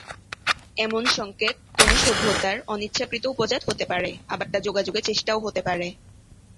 এমন সংকেত কোন সভ্যতার অনিচ্ছাকৃত উপজাত হতে পারে, আবার তা যোগাযোগের চেষ্টাও হতে পারে।